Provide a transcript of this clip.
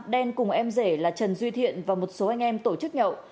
đen cùng em rể là trần duy thiện và một số anh em tổ chức nhậu